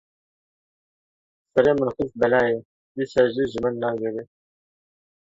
Serê min xist belayê dîsa jî ji min nagere.